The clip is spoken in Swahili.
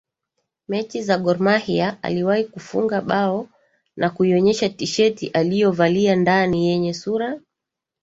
mechi za Gor Mahia aliwahi kufunga bao na kuionyesha tisheti aliyovalia ndani yenye sura